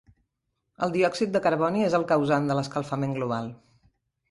El diòxid de carboni és el causant de l'escalfament global.